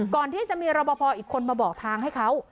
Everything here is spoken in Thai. ก่อนที่จะมีรบพออีกคนมาบอกทางให้เขา